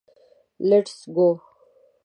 لېټس ګو.